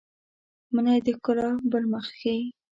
منی د ښکلا بل مخ ښيي